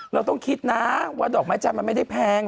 เราต้องคิดนะว่าดอกไม้จันทร์มันไม่ได้แพง